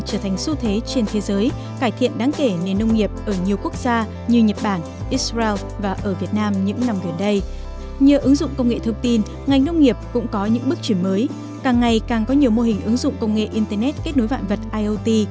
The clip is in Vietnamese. càng ngày càng có nhiều mô hình ứng dụng công nghệ internet kết nối vạn vật iot